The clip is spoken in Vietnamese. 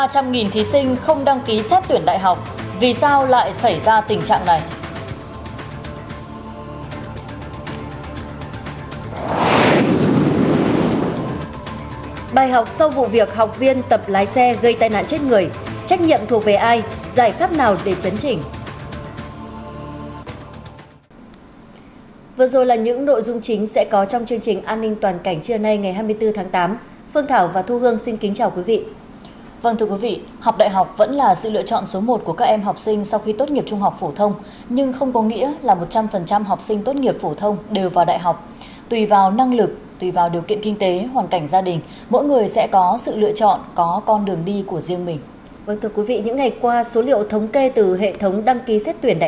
hãy đăng ký kênh để ủng hộ kênh của chúng mình nhé